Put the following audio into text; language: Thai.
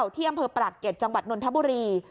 ที่อำเภอปรากเก็ตจังหวัดนนทบุรี